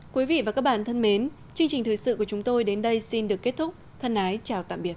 quý vị và các bạn thân mến chương trình thời sự của chúng tôi đến đây xin được kết thúc thân ái chào tạm biệt